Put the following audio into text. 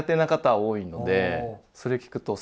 はい。